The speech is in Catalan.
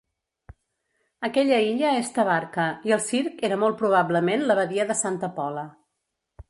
Aquella illa és Tabarca, i el circ era molt probablement la badia de Santa Pola.